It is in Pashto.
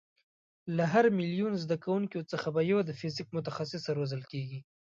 له هر میلیون زده کوونکیو څخه به یو د فیزیک متخصصه روزل کېږي.